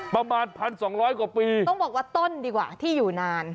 ประมาณ๑๒๐๐กว่าปีต้องบอกว่าต้นดีกว่าที่อยู่นาน